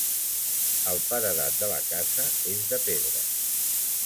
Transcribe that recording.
El paredat de la casa és de pedra.